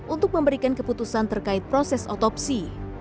untuk memberikan keputusan terkait proses otopsi